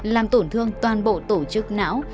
làm tổn thương toàn bộ tổ chức não